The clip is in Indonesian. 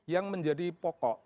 yang menjadi pokok